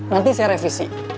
nanti saya revisi